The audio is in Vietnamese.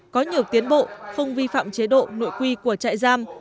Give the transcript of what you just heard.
có nhiều tiến bộ không vi phạm chế độ nội quy của trại giam